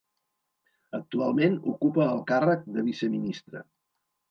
Actualment ocupa el càrrec de viceministra.